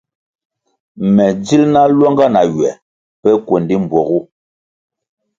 Me dzil na luanga na ywe pe kuendi mbpuogu.